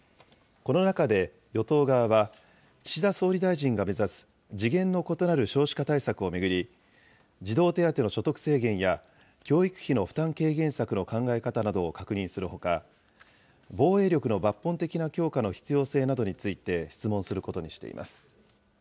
この中で、与党側は、岸田総理大臣が目指す次元の異なる少子化対策を巡り、児童手当の所得制限や、教育費の負担軽減策の考え方などを確認するほか、防衛力の抜本的な強化の必要性などについて、質問することにしています。